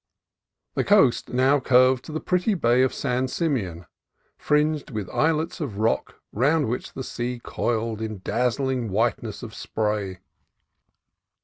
The coast now curved to the pretty bay of San Simeon, fringed with islets of rock round which the sea coiled in dazzling whiteness of spray.